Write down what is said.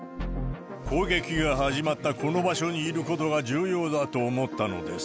攻撃が始まったこの場所にいることが重要だと思ったのです。